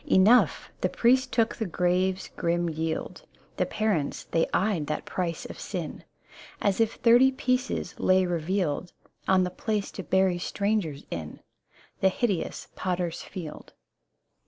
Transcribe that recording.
Enough ! The priest took the grave's grim yield : The parents, they eyed that price of sin As if thirty pieces lay revealed On the place to bury strangers in. The hideous Potter's Field.